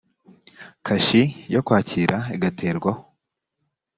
kashi yo kwakira igaterwaho